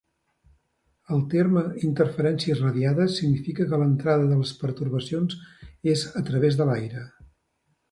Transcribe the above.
El terme interferències radiades significa que l'entrada de les pertorbacions és a través de l'aire.